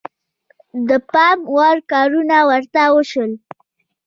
د پام وړ کارونه ورته وشول.